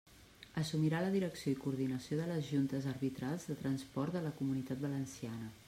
Assumirà la direcció i coordinació de les juntes arbitrals de transport de la Comunitat Valenciana.